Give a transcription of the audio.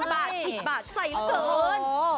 มันปากผิดปากใสเกิน